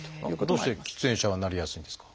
どうして喫煙者はなりやすいんですか？